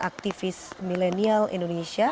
aktivis milenial indonesia